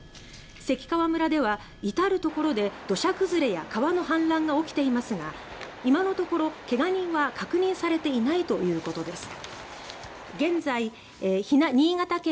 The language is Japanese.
関川村ではいたるところで土砂崩れや川の氾濫が起きていて今のところ、けが人は確認されていないということです